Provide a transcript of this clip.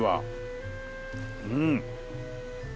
うん。